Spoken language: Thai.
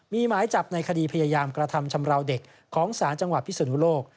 มีหมายจับในคดีพยายามกระทำชำราวเด็กของศาลจังหวัดพิศนุโลก